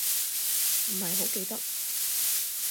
唔係好記得